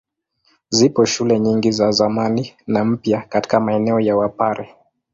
Zipo shule nyingi za zamani na mpya katika maeneo ya Wapare.